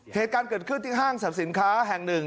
เหตุการณ์เกิดขึ้นที่ห้างสรรพสินค้าแห่งหนึ่ง